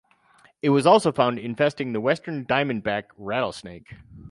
It was also found infesting the Western diamondback rattlesnake.